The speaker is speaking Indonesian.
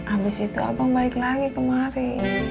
abis itu abang balik lagi kemari